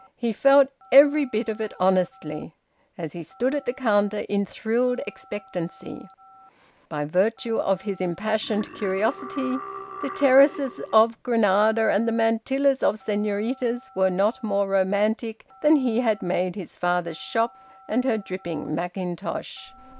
He felt every bit of it honestly, as he stood at the counter in thrilled expectancy. By virtue of his impassioned curiosity, the terraces of Granada and the mantillas of senoritas were not more romantic than he had made his father's shop and her dripping mackintosh.